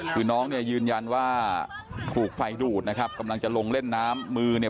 คือน้องเนี่ยยืนยันว่าถูกไฟดูดนะครับกำลังจะลงเล่นน้ำมือเนี่ย